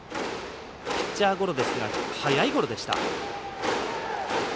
ピッチャーゴロですが速いゴロでした。